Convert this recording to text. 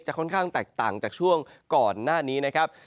ค่อนข้างแตกต่างจากช่วงก่อนหน้านี้นะครับ